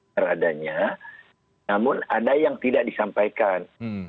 terhadanya namun ada yang tidak disampaikan